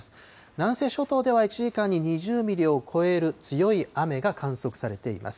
南西諸島では１時間に２０ミリを超える強い雨が観測されています。